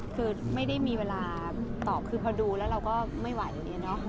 คือไม่ได้มีเวลาตอบคือพอดูแล้วเราก็ไม่ไหวอย่างนี้เนอะ